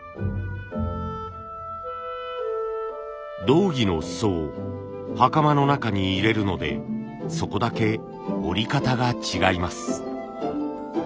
道着の裾を袴の中に入れるのでそこだけ織り方が違います。